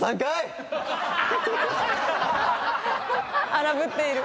荒ぶっている。